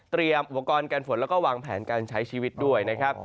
เตรียมโอกาสการฝนแล้วก็วางแผนการใช้ชีวิตด้วยนะครับ